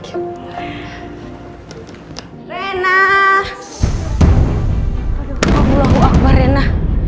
allahu akbar rena